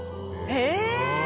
え！